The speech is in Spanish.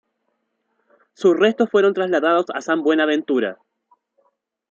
Sus restos fueron trasladados a San Buenaventura.